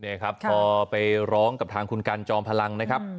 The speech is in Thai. นี่ครับพอไปร้องกับทางคุณกันจอมพลังนะครับ